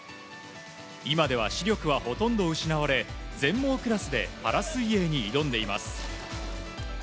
今では視力はほとんど失われ全盲クラスでパラ水泳に挑んでいます。